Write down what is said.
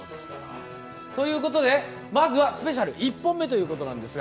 ということでまずはスペシャル１本目ということなんですが。